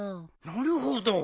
なるほど。